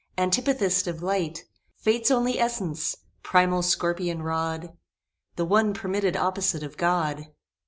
Antipathist of Light! Fate's only essence! primal scorpion rod The one permitted opposite of God!